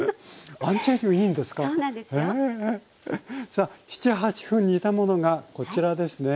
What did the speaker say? さあ７８分煮たものがこちらですね。